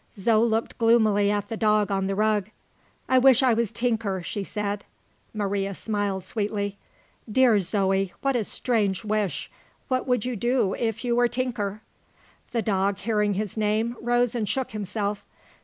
Zo looked gloomily at the dog on the rug. "I wish I was Tinker," she said. Maria smiled sweetly. "Dear Zoe, what a very strange wish! What would you do, if you were Tinker?" The dog, hearing his name, rose and shook himself.